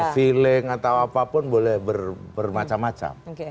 feeling atau apapun boleh bermacam macam